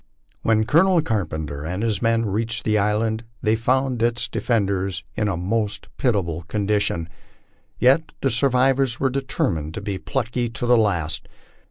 When Colonel Carpenter and his men reached the island they found its de fenders in a most pitiable condition, yet the survivors were determined to be plucky to the last.